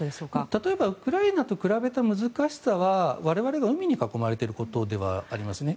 例えば、ウクライナと比べた難しさは我々が海に囲まれていることではありますね。